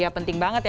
iya penting banget ya